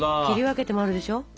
切り分けてもあるでしょ？